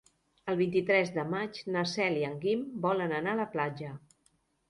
El vint-i-tres de maig na Cel i en Guim volen anar a la platja.